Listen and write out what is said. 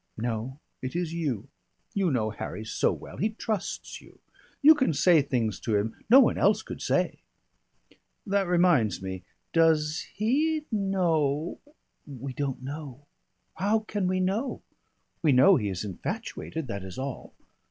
No, it is you. You know Harry so well. He trusts you. You can say things to him no one else could say." "That reminds me. Does he know " "We don't know. How can we know? We know he is infatuated, that is all.